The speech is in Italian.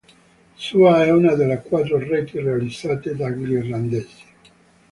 Sua è una delle quattro reti realizzate dagli irlandesi.